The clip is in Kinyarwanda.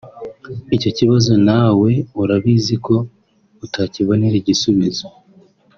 Icyo kibazo nawe urabizi ko utakibonera igisubizo